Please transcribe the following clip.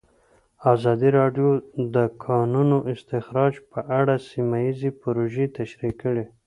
ازادي راډیو د د کانونو استخراج په اړه سیمه ییزې پروژې تشریح کړې.